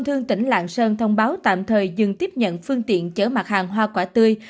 thương tỉnh lạng sơn thông báo tạm thời dừng tiếp nhận phương tiện chở mặt hàng hoa quả tươi